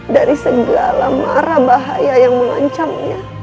dari segala marah bahaya yang mengancamnya